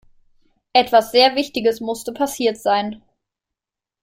Etwas sehr Wichtiges musste passiert sein.